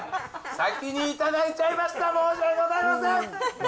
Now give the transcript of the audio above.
先に頂いちゃいました、申し訳ございません。